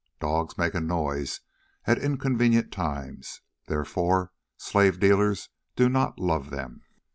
Dogs make a noise at inconvenient times, therefore slave dealers do not love them.